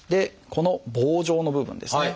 この棒状の部分ですね